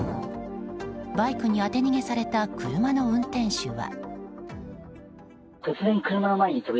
バイクに当て逃げされた車の運転手は。